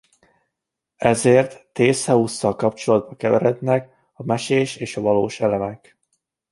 Ezért Thészeusszal kapcsolatban keverednek a mesés és a valós elemek.